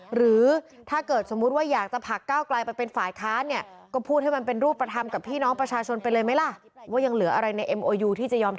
ไหนยังจะทำอยู่